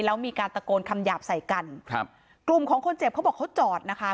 แล้วมีการตะโกนคำหยาบใส่กันครับกลุ่มของคนเจ็บเขาบอกเขาจอดนะคะ